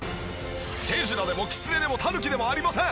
手品でも狐でもタヌキでもありません！